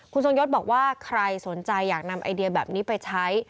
คุณทรงยศบอกว่าใครสนใจอยากนำไอเดียแบบนี้ไปใช้